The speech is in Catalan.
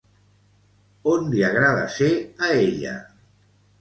On li agrada ser, a ella?